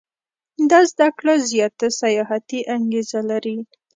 دا زده کړه زیاته سیاحتي انګېزه لري.